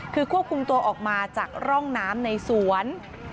คือควบคุมตัวออกมาจากร่องน้ำในสวน